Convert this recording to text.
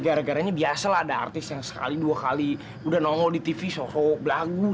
gara garanya biasa lah ada artis yang sekali dua kali udah nongol di tv shoho belagu